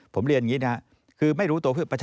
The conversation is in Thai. ผมเรียนอย่างนี้คือไม่รู้ตัวผู้ทำผิด